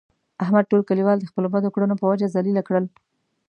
احمد ټول کلیوال د خپلو بدو کړنو په وجه ذلیله کړل.